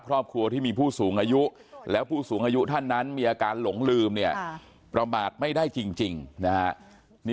ครอบครัวที่มีผู้สูงอายุแล้วผู้สูงอายุท่านนั้นมีอาการหลงลืมเนี่ยประมาทไม่ได้จริงนะฮะนี่